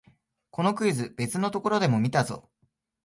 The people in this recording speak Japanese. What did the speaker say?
このクイズ、別のところでも見たぞ